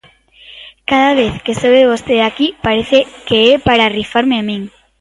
Cada vez que sobe vostede aquí parece que é para rifarme a min.